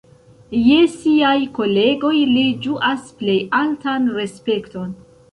Je siaj kolegoj li ĝuas plej altan respekton.